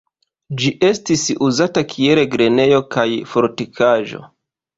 Ĝi estis uzata kiel grenejo kaj fortikaĵo.